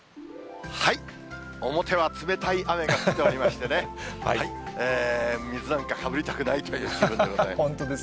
表は冷たい雨が降っておりましてね、水なんかかぶりたくないという気分でございます。